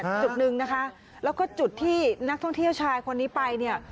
จุดหนึ่งนะคะแล้วก็จุดที่นักท่องเที่ยวชายคนนี้ไปเนี่ย